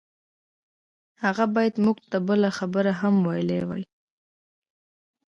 هغه بايد موږ ته بله خبره هم ويلي وای.